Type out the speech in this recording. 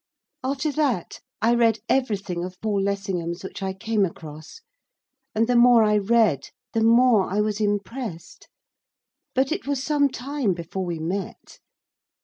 After that I read everything of Paul Lessingham's which I came across. And the more I read the more I was impressed. But it was some time before we met.